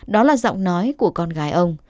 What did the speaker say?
đó là giọng nói của con gái ông